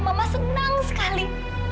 mama senang sekali